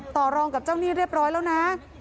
ต่อรองกับเจ้าหนี้เรียบร้อยแล้วนะ